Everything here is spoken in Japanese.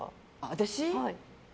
私？